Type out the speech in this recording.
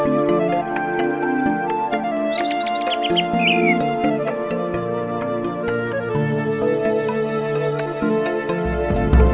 jangan lupa joko tingkir